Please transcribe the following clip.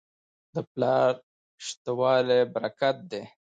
د پلار شته والی برکت دی.